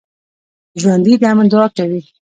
ژوندي د امن دعا کوي